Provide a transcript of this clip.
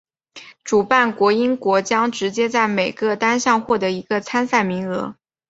主办国英国将直接在每个单项获得一个参赛名额。